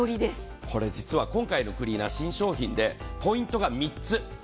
実は今回のクリーナー新商品で、ポイントが３つ。